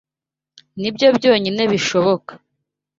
Nibyo byonyine bishoboka.